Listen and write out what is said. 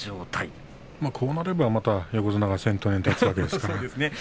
こうなると横綱が先頭に立つわけですからね。